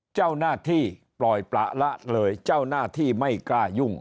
เจ้าหน้าที่ปล่อยประละเลยเจ้าหน้าที่ไม่กล้ายุ่ง